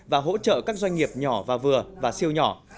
và hỗ trợ các doanh nghiệp nhỏ và vừa và siêu nhỏ